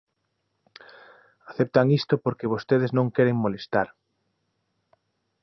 Aceptan isto porque vostedes non queren molestar.